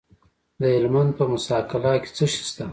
د هلمند په موسی قلعه کې څه شی شته؟